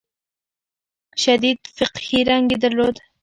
شدید فقهي رنګ یې درلود.